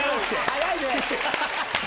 早いね！